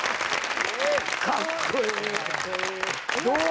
どう？